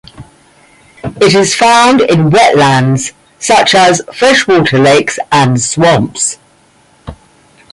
It is found in wetlands such as freshwater lakes and swamps.